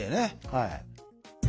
はい。